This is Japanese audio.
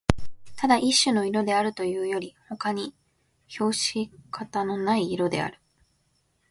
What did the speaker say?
ただ一種の色であるというよりほかに評し方のない色である